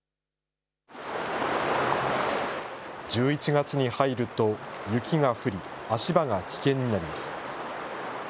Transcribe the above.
１１月に入ると雪が降り、足場が危険になります。